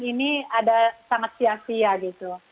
ini ada sangat sia sia gitu